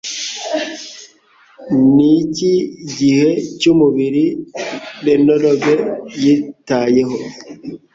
Niki gice cyumubiri Renologue yitayeho?